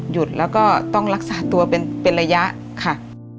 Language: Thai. หยุดแล้วก็ต้องรักษาตัวเป็นระยะค่ะ